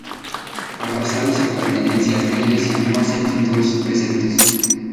A pesar de su pertenencia a esta Iglesia, no aceptan todos sus preceptos.